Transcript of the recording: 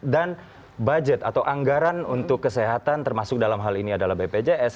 dan budget atau anggaran untuk kesehatan termasuk dalam hal ini adalah bpjs